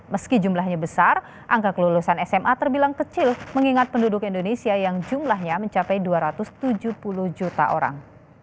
meski jumlahnya besar angka kelulusan sma terbilang kecil mengingat penduduk indonesia yang jumlahnya mencapai dua ratus tujuh puluh juta orang